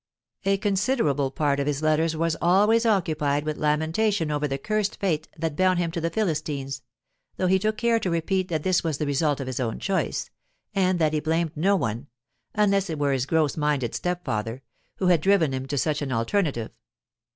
A considerable part of his letters was always occupied with lamentation over the cursed fate that bound him to the Philistines, though he took care to repeat that this was the result of his own choice, and that he blamed no one unless it were his gross minded step father, who had driven him to such an alternative.